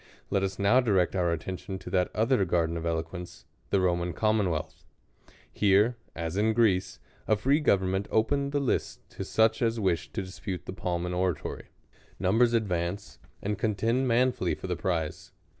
Let us now direct our attention to that other gar den of eloquence, the Roman commonwealth. Here, as in Greece, a free government opened the list to such as v/ished to dispute the palm in oratory. Numbers advance. THE COLUMBIAN ORATOR. 33 advance, and contend manfully for the prize.